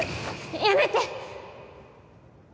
やめて！